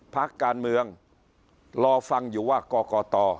ภักดิ์การเมืองรอฟังอยู่ว่าก่อก่อต่อ